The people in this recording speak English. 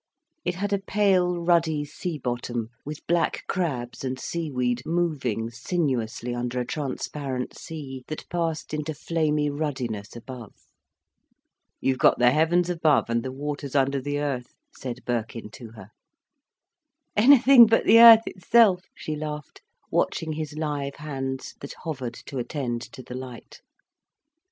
It had a pale ruddy sea bottom, with black crabs and sea weed moving sinuously under a transparent sea, that passed into flamy ruddiness above. "You've got the heavens above, and the waters under the earth," said Birkin to her. "Anything but the earth itself," she laughed, watching his live hands that hovered to attend to the light.